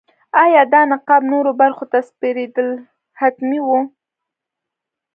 ایا دا انقلاب نورو برخو ته خپرېدل حتمي وو.